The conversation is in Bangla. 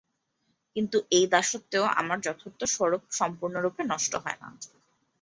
কিন্তু এই দাসত্বেও আমার যথার্থ স্বরূপ সম্পূর্ণরূপে নষ্ট হয় না।